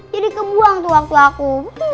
jadi kebuang tuh waktu aku